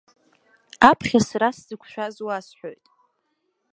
Аԥхьа сара сзықәшәаз уасҳәоит…